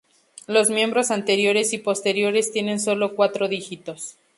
Los miembros anteriores y posteriores tienen solo cuatro dígitos.